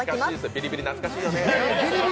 ビリビリ懐かしいよね。